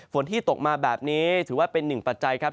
ที่ตกมาแบบนี้ถือว่าเป็นหนึ่งปัจจัยครับ